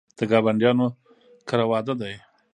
د ګاونډیانو کره واده دی